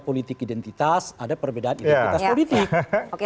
politik identitas ada perbedaan identitas politik